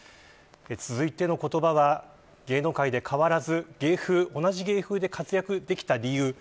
続いての言葉は芸能界で変わらず同じ芸風で活躍できた理由。